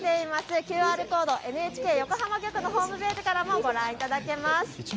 ＱＲコード、ＮＨＫ横浜局のホームページからもご覧いただけます。